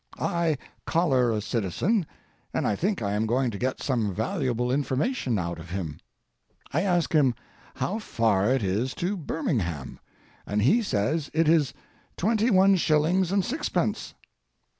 I collar a citizen, and I think I am going to get some valuable information out of him. I ask him how far it is to Birmingham, and he says it is twenty one shillings and sixpence.